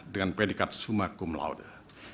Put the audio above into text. dengan predikat summa cum laude